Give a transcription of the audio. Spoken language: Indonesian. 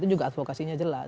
itu juga advokasinya jelas